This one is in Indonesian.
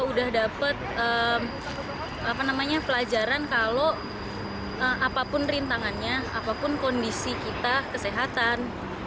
udah dapet apa namanya pelajaran kalau apapun rintangannya apapun kondisi kita kesehatan